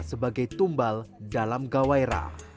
sebagai tumbal dalam gawairah